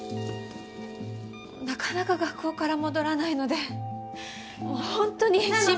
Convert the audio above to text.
なかなか学校から戻らないので本当に心配。